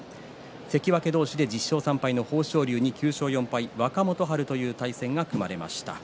関脇同士１０勝３敗の豊昇龍と９勝４敗の若元春の対戦が組まれました。